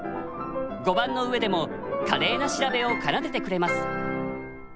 碁盤の上でも華麗な調べを奏でてくれます。